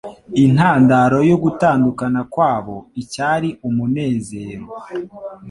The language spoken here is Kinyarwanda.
intandaro yo gutandukana kwabo icyari umunezero